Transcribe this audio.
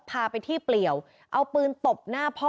พาไปที่เปลี่ยวเอาปืนตบหน้าพ่อ